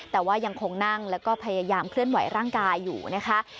แต่ว่ายังคงนั่งแล้วก็พยายามเคลื่อนไหวร่างกายอยู่นะคะ